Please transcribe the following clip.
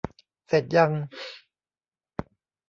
เสร็จยัง